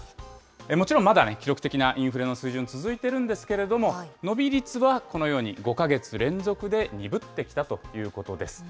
もちろんまだね、記録的なインフレの水準、続いているんですけれども、伸び率はこのように、５か月連続で鈍ってきたということです。